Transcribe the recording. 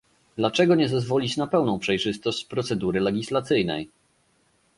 Dlaczego nie zezwolić na pełną przejrzystość procedury legislacyjnej?